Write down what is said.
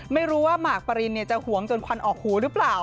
ไม่รู้ว่าหมากปรินจะหวงจนควันออกหูหรือเปล่า